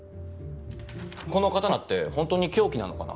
この刀ってホントに凶器なのかな。